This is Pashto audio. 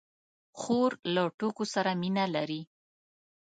خور له ټوکو سره مینه لري.